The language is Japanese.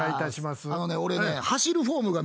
あのね俺ね。